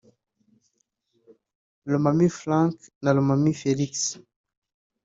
Romami Frank na Romami Felix